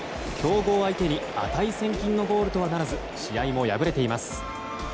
強豪相手に値千金のゴールとはならず試合も敗れています。